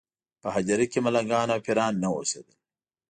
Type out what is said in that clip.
په هدیره کې ملنګان او پېران نه اوسېدل.